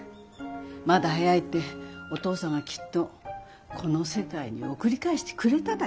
まだ早いってお父さんがきっとこの世界に送り返してくれただよ。